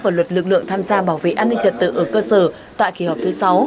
và luật lực lượng tham gia bảo vệ an ninh trật tự ở cơ sở tại kỳ họp thứ sáu